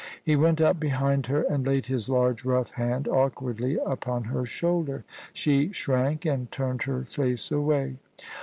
He went up behind her and laid his large rough hand awkwardly upon her shoulder. She shrank, and turned her face away.